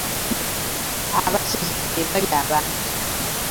Abasezi be balya abantu.